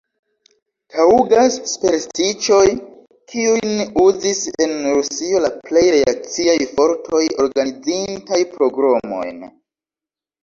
Taŭgas superstiĉoj, kiujn uzis en Rusio la plej reakciaj fortoj, organizintaj pogromojn.